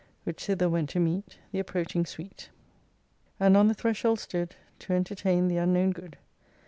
Which thither went to meet The approaching sweet : And on the threshold stood, To entertain the unknown good.